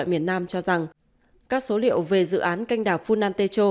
tại miền nam cho rằng các số liệu về dự án canh đảo funantecho